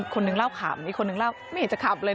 คนนึงเล่าขำอีกคนนึงเล่าไม่เห็นจะขำเลย